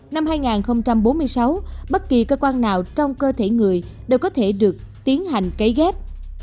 năm hai nghìn bốn mươi sáu bất kỳ cơ quan nào trong cơ thể người đều có thể được tiến hành cấy ghép